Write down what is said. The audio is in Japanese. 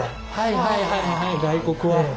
はいはいはいはい外国は。